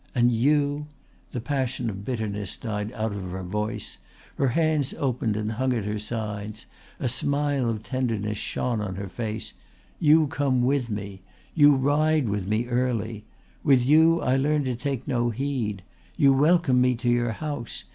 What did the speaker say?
And you" the passion of bitterness died out of her voice, her hands opened and hung at her sides, a smile of tenderness shone on her face "you come with me. You ride with me early. With you I learn to take no heed. You welcome me to your house.